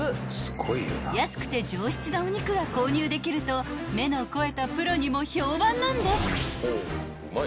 ［安くて上質なお肉が購入できると目の肥えたプロにも評判なんです］